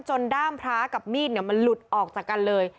ด้ามพระกับมีดมันหลุดออกจากกันเลย